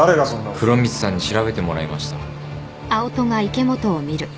風呂光さんに調べてもらいました。